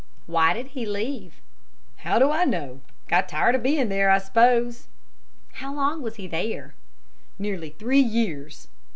"Why did he leave?" "How do I know? Got tired of being there, I suppose." "How long was he there?" "Nearly three years."